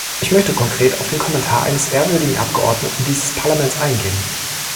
Ich möchte konkret auf den Kommentar eines ehrwürdigen Abgeordneten dieses Parlaments eingehen.